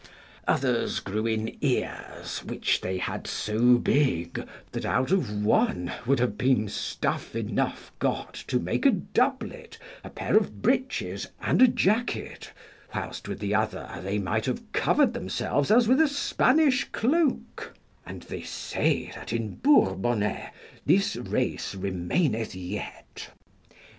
Others grew in ears, which they had so big that out of one would have been stuff enough got to make a doublet, a pair of breeches, and a jacket, whilst with the other they might have covered themselves as with a Spanish cloak: and they say that in Bourbonnois this race remaineth yet.